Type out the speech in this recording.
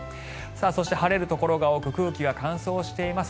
そして、晴れるところが多く空気が乾燥しています。